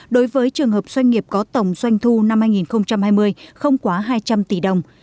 đối với trường hợp doanh nghiệp có tổng doanh thu năm hai nghìn hai mươi không quá hai trăm linh tỷ đồng